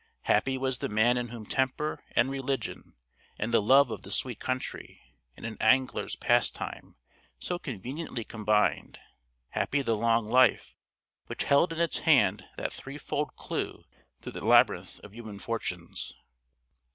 Happy was the man in whom temper, and religion, and the love of the sweet country and an angler's pastime so conveniently combined; happy the long life which held in its hand that threefold clue through the labyrinth of human fortunes!